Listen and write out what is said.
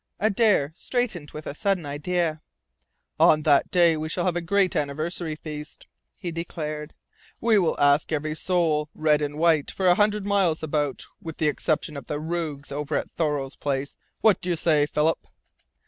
Adare straightened with a sudden idea: "On that day we shall have a great anniversary feast," he declared. "We will ask every soul red and white for a hundred miles about, with the exception of the rogues over at Thoreau's Place! What do you say, Philip?"